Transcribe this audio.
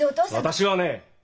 私はね